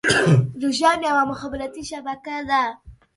روشن يوه مخابراتي شبکه ده.